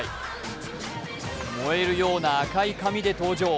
燃えるような赤い髪で登場。